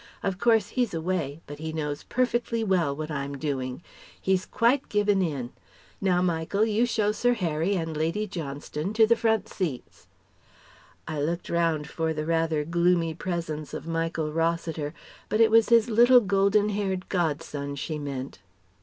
Of course he's away, but he knows perfectly well what I'm doing. He's quite given in. Now Michael, you show Sir Harry and Lady Johnston to the front seats..." (I looked round for the rather gloomy presence of Michael Rossiter, but it was his little golden haired god son she meant.)